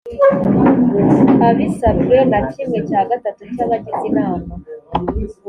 abisabwe na kimwe cya gatatu cy abagize inama